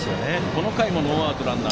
この回もノーアウトのランナー。